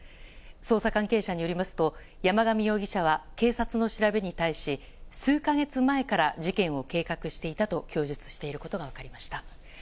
捜査関係者によりますと山上容疑者は警察の調べに対し数か月前から事件を計画していたと供述していることが分かりました。